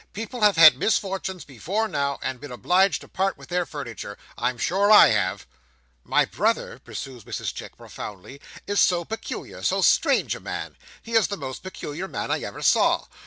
People have had misfortunes before now, and been obliged to part with their furniture. I'm sure I have!" "My brother," pursues Mrs Chick profoundly, "is so peculiar—so strange a man. He is the most peculiar man I ever saw.